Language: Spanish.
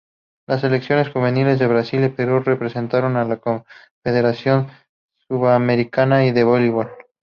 Las selecciones juveniles de Brasil y Perú representaron a la Confederación Sudamericana de Voleibol.